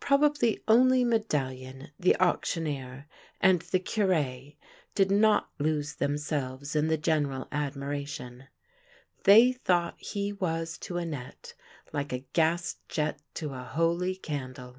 Probably only Medallion, the auctioneer, and the Cure did not lose themselves in the general admiration; they thought he was to Annette like a gas jet to a holy candle.